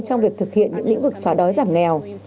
trong việc thực hiện những lĩnh vực xóa đói giảm nghèo